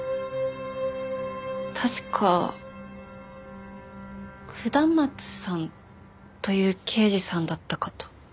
確か下松さんという刑事さんだったかと。